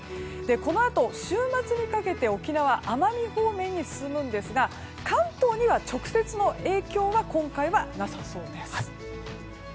このあと、週末にかけて沖縄、奄美方面に進むんですが関東には直接の影響は今回はなさそうです。